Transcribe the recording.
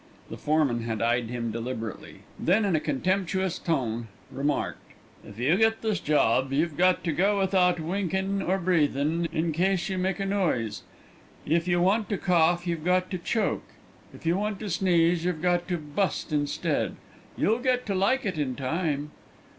The foreman had eyed him deliberately; then in a contemptuous tone, remarked: "If you get this job you've got to go without winkin' or breathin' in case you make a noise. If you want to cough you've got to choke; if you want to sneeze you've got to bust instead. You'll get to like it in time."